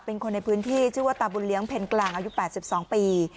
เป็นคนในพื้นที่ชื่อว่าตาบุญเลี้ยงเพ็ญกลางอายุ๘๒ปี